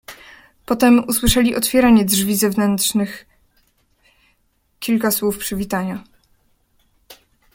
"Potem usłyszeli otwieranie drzwi zewnętrznych, kilka słów przywitania."